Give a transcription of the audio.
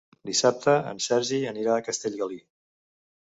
Dissabte en Sergi anirà a Castellgalí.